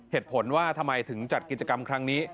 เหตุผลว่าทำไมถึงจัดกิจกรรมครั้งนี้